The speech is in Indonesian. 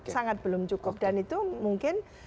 sangat belum cukup dan itu mungkin